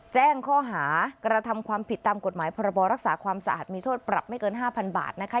แจ้งข้อหากระทำความผิดตามกฎหมายพรบรักษาความสะอาดมีโทษปรับไม่เกิน๕๐๐๐บาทนะคะ